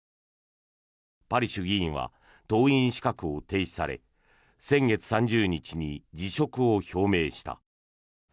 パリシュ議員は党員資格を停止され先月３０日に辞職を表明した。